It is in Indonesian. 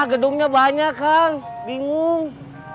gedungnya banyak kang bingung